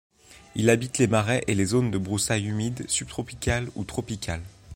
Il habite les marais et les zones de broussailles humides subtropicales ou tropicales.